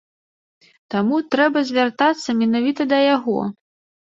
Таму трэба звяртацца менавіта да яго.